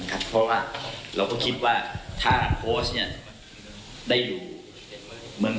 ซึ่งทางสมาคมกีฬาฟุตบอลก็พร้อมที่จะสนุนและอำนวยความสะดวกอย่างต่อเนื่อง